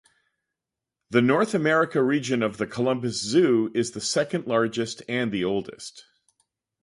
The North America region of the Columbus Zoo is the second-largest and the oldest.